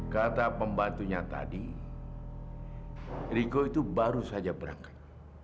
kata pembantunya tadi rigo itu baru saja berangkat